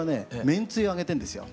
めんつゆをあげてんですよ。